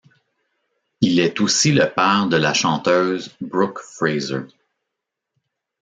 Il est aussi le père de la chanteuse Brooke Fraser.